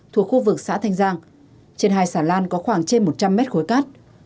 thuộc khu vực xã thanh giang trên hai sản lan có khoảng trên một trăm linh mét khối cát